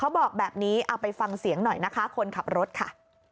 บอกแบบนี้เอาไปฟังเสียงหน่อยนะคะคนขับรถค่ะ